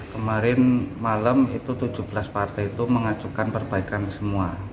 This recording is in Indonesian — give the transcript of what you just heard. kemarin malam itu tujuh belas partai itu mengajukan perbaikan semua